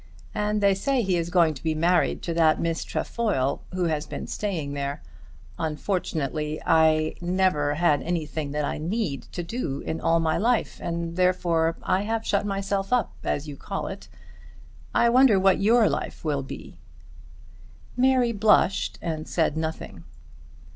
And they say he is going to be married to that Miss Trefoil who has been staying there. Unfortunately I have never had anything that I need do in all my life, and therefore I have shut myself up as you call it. I wonder what your life will be." Mary blushed and said nothing.